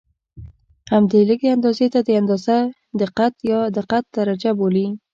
همدې لږې اندازې ته د اندازې دقت یا دقت درجه بولي.